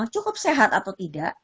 cukup sehat atau tidak